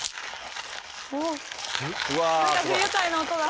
何か不愉快な音だ。